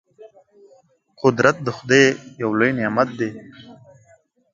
قدرت د خدای یو لوی نعمت دی.